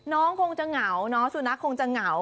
น้องคงจะเหงาเนาะสุนัขคงจะเหงา